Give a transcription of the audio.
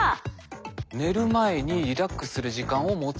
「寝る前にリラックスする時間を持つこと」。